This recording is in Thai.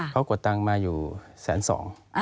เขากดตังค์มาอยู่แสนสอง